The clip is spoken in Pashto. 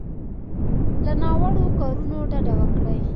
له ناوړو کارونو ډډه وکړي.